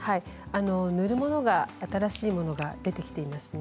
塗るものが新しいものが出てきています。